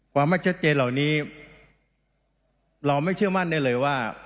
ความไม่ชัดเจนเหล่านี้เราไม่เชื่อมั่นได้เลยว่า